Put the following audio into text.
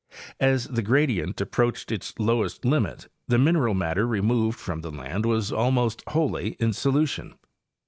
As the gradient approached its lowest limit the mineral matter removed from the land was almost wholly in solution.